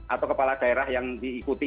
atau kepala daerah yang diikuti